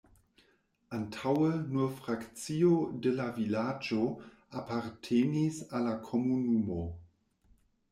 Antaŭe nur frakcio de la vilaĝo apartenis al la komunumo.